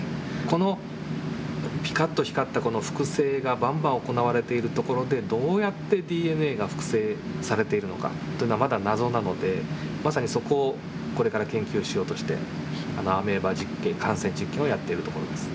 このピカッと光ったこの複製がばんばん行われているところでどうやってＤＮＡが複製されているのかというのはまだ謎なのでまさにそこをこれから研究しようとしてアメーバ実験感染実験をやっているところです。